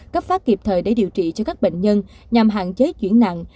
cấp phát kịp thời để điều trị cho các bệnh nhân nhằm hạn chế chuyển nặng